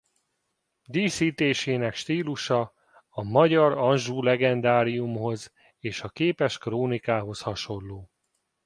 Díszítésének stílusa a Magyar Anjou-legendáriumhoz és a Képes krónikához hasonló.